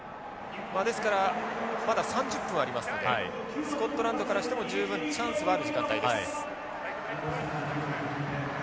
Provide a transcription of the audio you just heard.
ですからまだ３０分ありますのでスコットランドからしても十分チャンスはある時間帯です。